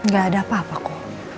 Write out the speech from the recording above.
gak ada apa apa kok